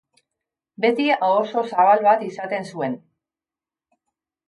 Beti, aho oso zabal bat izaten zuen.